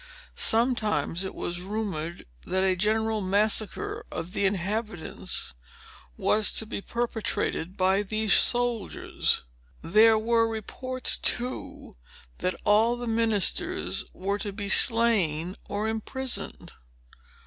Sometimes it was rumored that a general massacre of the inhabitants was to be perpetrated by these soldiers. There were reports, too, that all the ministers were to be slain or imprisoned."